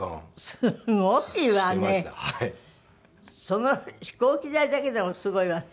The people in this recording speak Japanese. その飛行機代だけでもすごいわね。